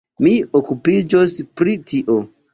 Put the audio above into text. Mi okupiĝos pri tio.